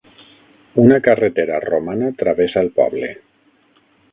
Una carretera romana travessa el poble.